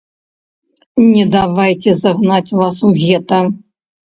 Не давайце загнаць вас у гета.